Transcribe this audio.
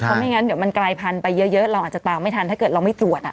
เพราะไม่งั้นเดี๋ยวมันกลายพันธุ์ไปเยอะเราอาจจะตามไม่ทันถ้าเกิดเราไม่ตรวจ